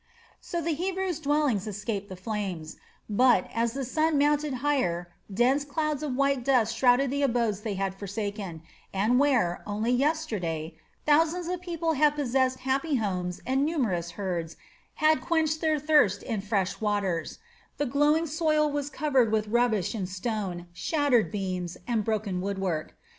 So the Hebrews' dwellings escaped the flames; but as the sun mounted higher dense clouds of white dust shrouded the abodes they had forsaken, and where, only yesterday, thousands of people had possessed happy homes and numerous herds had quenched their thirst in fresh waters, the glowing soil was covered with rubbish and stone, shattered beams, and broken woodwork.